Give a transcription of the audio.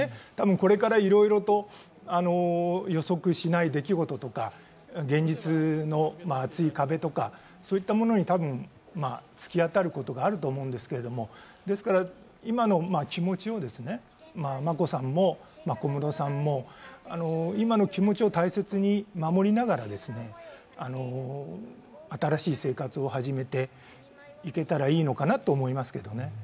これからいろいろと予測しない出来事とか現実の厚い壁とか、そういったものに突き当たることがあると思うんですけれども、ですから、眞子さんも小室さんも今の気持ちを大切に守りながら新しい生活を始めていけたらいいのかなと思いますけどね。